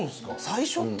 最初って。